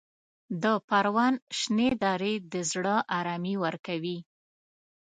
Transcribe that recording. د پروان شنې درې د زړه ارامي ورکوي.